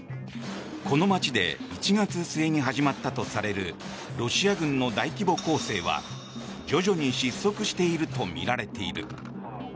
この街で１月末に始まったとされるロシア軍の大規模攻勢は徐々に失速しているとみられている。